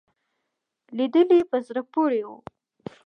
لیدلې په زړه پورې وو.